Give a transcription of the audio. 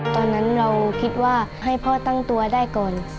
ตอนนั้นเราคิดว่าให้พ่อตั้งตัวได้ก่อน